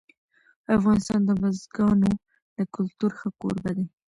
افغانستان د بزګانو د کلتور ښه کوربه دی.